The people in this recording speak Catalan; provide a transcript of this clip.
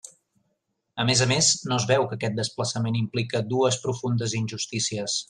A més a més, no es veu que aquest desplaçament implica dues profundes injustícies.